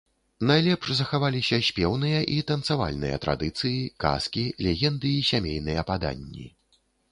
Найлепш захаваліся спеўныя і танцавальныя традыцыі, казкі, легенды і сямейныя паданні.